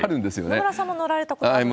野村さんも乗られたことあるんですよね？